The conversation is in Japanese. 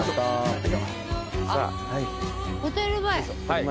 はい。